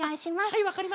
はい！